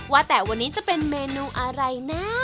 ว่าแต่วันนี้จะเป็นเมนูอะไรนะ